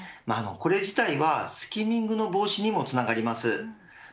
これ自体はスキミングの防止にもつながります。